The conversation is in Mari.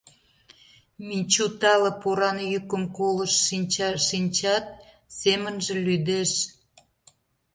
Мичу тале поран йӱкым колышт шинча-шинчат, семынже лӱдеш.